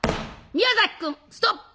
「宮崎君ストップ！